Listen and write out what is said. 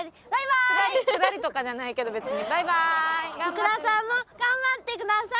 福田さんも頑張ってください！